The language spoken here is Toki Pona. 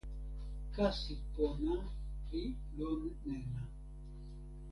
kasi pona li lon nena.